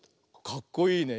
かっこいいね。